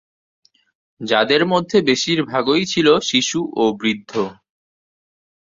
যাদের মধ্যে বেশিরভাগই ছিল শিশু ও বৃদ্ধ।